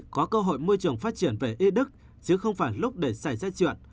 có cơ hội môi trường phát triển về y đức chứ không phải lúc để xảy ra chuyện